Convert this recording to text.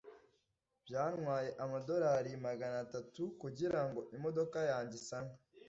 byantwaye amadorari magana atatu kugirango imodoka yanjye isanwe